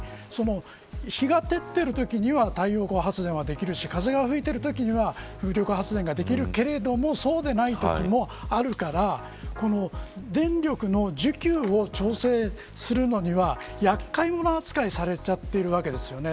つまり日が照っているときには太陽光発電はできるし風が吹いているときは風力発電ができるけどそうでないときもあるから電力の需給を調整するのには厄介者扱いされちゃっているわけですよね。